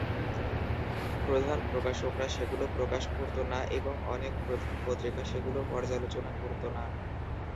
প্রধান প্রকাশকরা সেগুলো প্রকাশ করত না এবং অনেক প্রধান পত্রিকা সেগুলো পর্যালোচনা করত না।